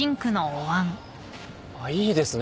ああいいですね